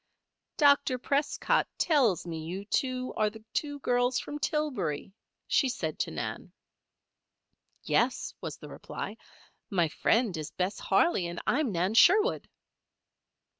"Dr. Prescott tells me you are the two girls from Tillbury," she said to Nan. "Yes," was the reply. "My friend is Bess Harley and I am Nan Sherwood."